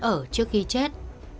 ở trước khi chết